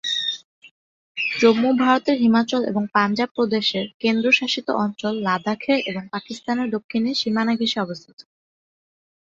জম্মু ভারতের হিমাচল এবং পাঞ্জাব প্রদেশের, কেন্দ্রশাসিত অঞ্চল লাদাখের এবং পাকিস্তানের দক্ষিণে সীমানা ঘেঁষে অবস্থিত।